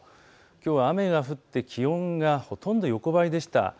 きょうは雨が降って気温がほとんど横ばいでした。